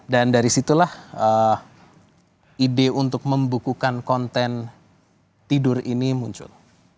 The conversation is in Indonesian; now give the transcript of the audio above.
dan dari situlah ide untuk membukukan konten tidur ini muncul